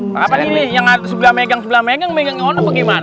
kenapa ini yang sebelah megang sebelah megang megangnya ono apa gimana